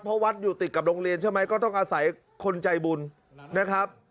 เพราะวัดอยู่ติดกับโรงเรียนใช่ไหมก็ต้องอาศัยคนใจบุญนะครับ